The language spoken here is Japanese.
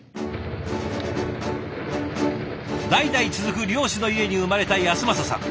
代々続く漁師の家に生まれた尉晶さん。